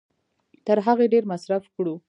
تر هغې ډېر مصرف کړو